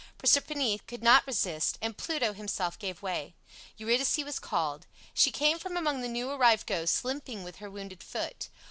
Proserpine could not resist, and Pluto himself gave way. Eurydice was called. She came from among the new arrived ghosts, limping with her wounded foot.